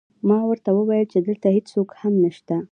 ما ورته وویل چې دلته هېڅوک هم نشته